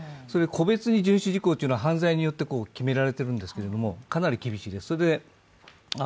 個別に遵守事項というのは犯罪によって決められているんですけどかなり厳しいです。